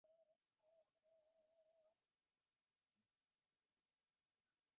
আসক্তিশূন্য হইয়া কাজ করিলে অশান্তি বা দুঃখ কখনই আসিবে না।